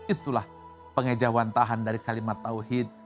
itulah pengejauhan tahan dari kalimat tawhid